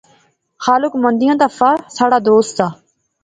خالق مندیاں دا فہ ساڑھا دوست دا